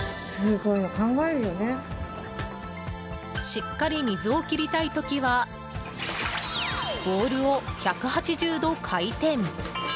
しっかり水を切りたい時はボウルを１８０度回転。